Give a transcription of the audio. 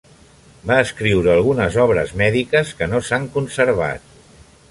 Va escriure algunes obres mèdiques que no s'han conservat.